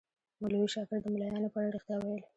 مولوي شاکر د ملایانو په اړه ریښتیا ویل.